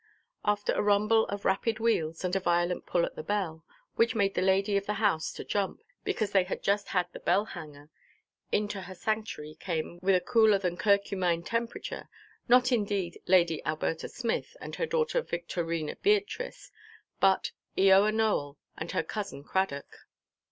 After a rumble of rapid wheels, and a violent pull at the bell, which made the lady of the house to jump, because they had just had the bell–hanger, into her sanctuary came with a cooler than curcumine temperature, not indeed Lady Alberta Smith and her daughter Victorina Beatrice, but Eoa Nowell and her cousin Cradock.